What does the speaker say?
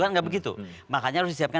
kan nggak begitu makanya harus disiapkan